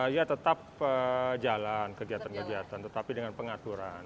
ya tetap jalan kegiatan kegiatan tetapi dengan pengaturan